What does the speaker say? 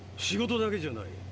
仕事だけじゃない。